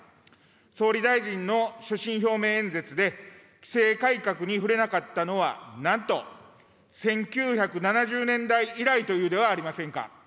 総理大臣の所信表明演説で、規制改革に触れなかったのは、なんと１９７０年代以来というではありませんか。